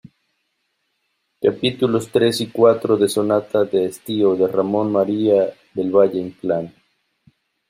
capítulos tres y cuatro de Sonata de estío, de Ramón María del Valle-Inclán.